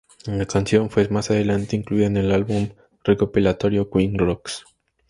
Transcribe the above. La canción fue más adelante incluida en el álbum recopilatorio "Queen Rocks".